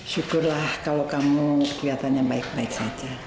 syukurlah kalau kamu kelihatannya baik baik saja